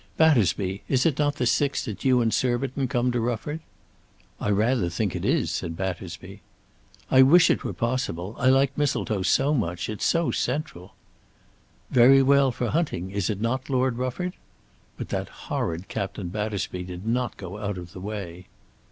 Battersby, is it not the sixth that you and Surbiton come to Rufford?" "I rather think it is," said Battersby. "I wish it were possible. I like Mistletoe so much. It's so central." "Very well for hunting, is it not, Lord Rufford?" But that horrid Captain Battersby did not go out of the way.